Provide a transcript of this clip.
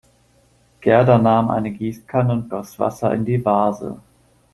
Gerda nahm eine Gießkanne und goss Wasser in die Vase.